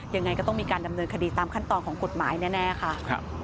ยังไงก็ต้องมีการดำเนินคดีตามขั้นตอนของกฎหมายแน่ค่ะ